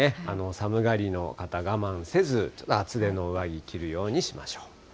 寒がりの方、我慢せず、厚手の上着、着るようにしましょう。